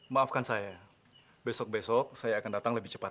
maafkan saya besok besok saya akan datang lebih cepat